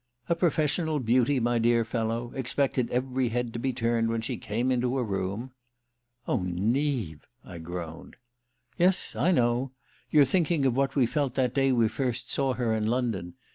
"A professional beauty, my dear fellow expected every head to be turned when she came into a room." "Oh, Neave," I groaned. "Yes, I know. You're thinking of what we felt that day we first saw her in London.